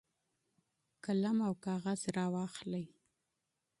قلم او کاغذ راواخلئ.